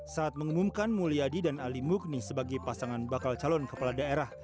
saat mengumumkan mulyadi dan ali mukni sebagai pasangan bakal calon kepala daerah